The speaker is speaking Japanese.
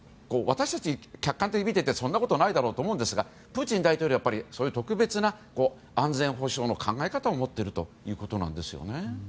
私たちが客観的に見ていてそんなことはないだろうと思うんですが、プーチン大統領はそういう特別な安全保障の考え方を持っているということなんですよね。